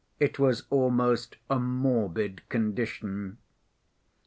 It was almost a morbid condition.